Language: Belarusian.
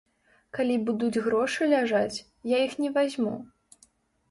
Калі будуць грошы ляжаць, я іх не вазьму.